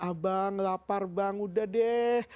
abang lapar bang udah deh